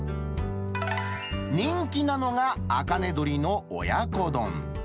人気なのがあかねどりの親子丼。